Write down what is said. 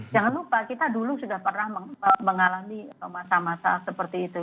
jangan lupa kita dulu sudah pernah mengalami masa masa seperti itu